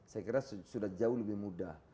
saya kira sudah jauh lebih mudah